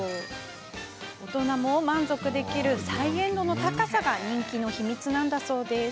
大人でも満足できる再現度の高さが人気の秘密なんだそうです。